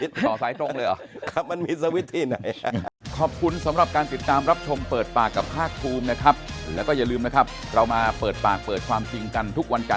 ต่อซ้ายตรงไม่เคยมีสวิตช์